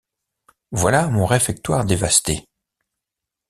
Voilà mon réfectoire dévasté.